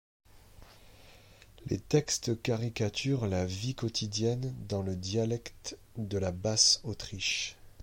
Les textes caricaturent la vie quotidienne dans le dialecte de la Basse-Autriche.